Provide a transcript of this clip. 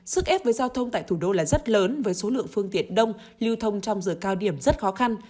sức ép với giao thông tại thủ đô là rất lớn với số lượng phương tiện đông lưu thông trong giờ cao điểm rất khó khăn